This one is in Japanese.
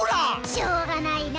しょうがないな。